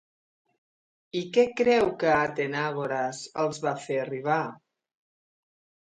I què creu que Atenàgores els va fer arribar?